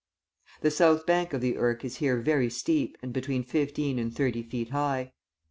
The south bank of the Irk is here very steep and between fifteen and thirty feet high.